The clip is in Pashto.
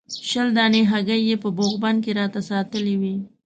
شل دانې هګۍ یې په بوغ بند کې راته ساتلې وې.